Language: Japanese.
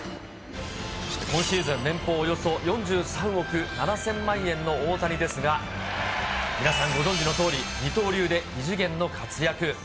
今シーズン、年俸およそ４３億７０００万円の大谷ですが、皆さんご存じのとおり、二刀流で異次元の活躍。